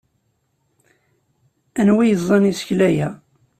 Anwa i yeẓẓan isekla-a?